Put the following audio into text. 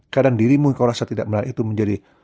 keadaan dirimu yang kau rasa tidak benar itu menjadi